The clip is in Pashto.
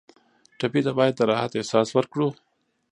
ټپي ته باید د راحت احساس ورکړو.